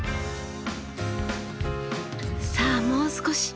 さあもう少し。